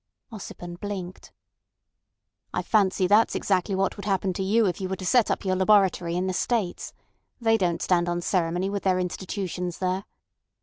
Ossipon blinked. "I fancy that's exactly what would happen to you if you were to set up your laboratory in the States. They don't stand on ceremony with their institutions there."